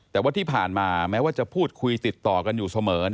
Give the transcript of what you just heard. แต่ว่าที่ผ่านมาแม้ว่าจะพูดคุยติดต่อกันอยู่เสมอ